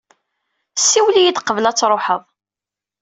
Siwel-iyi-d qbel ad truḥeḍ.